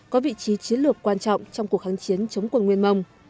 có vị trí chiến lược quan trọng trong cuộc kháng chiến chống quân nguyên mông